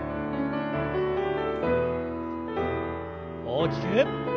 大きく。